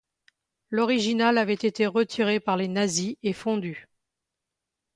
L'originale avait été retirée par les nazis et fondue.